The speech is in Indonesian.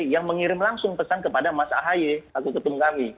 yang mengirim langsung pesan kepada mas ahy aku ketum kami